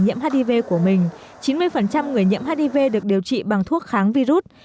chín mươi người nhiễm hiv được điều trị bằng thuốc kháng virus